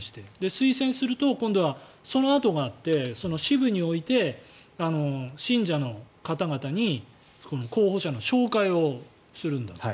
推薦するとそのあとがあって支部において信者の方々に候補者の紹介をするんだと。